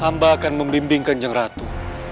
hamba akan membimbing kanjeng ratu